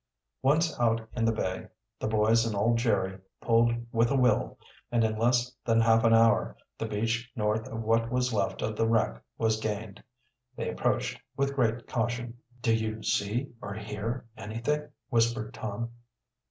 Once out in the bay the boys and old Jerry, pulled with a will, and in less than half an hour the beach north of what was left of the wreck was gained. They approached with great caution. "Do you see or hear anything?" whispered Tom.